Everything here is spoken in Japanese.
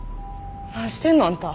何してんの？あんた。